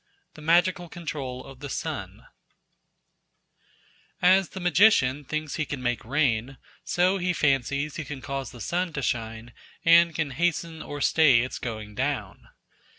The Magical Control of the Sun AS THE MAGICIAN thinks he can make rain, so he fancies he can cause the sun to shine, and can hasten or stay its going down.